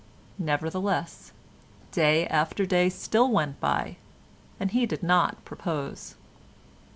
Nevertheless, day after day still went by and he did not propose.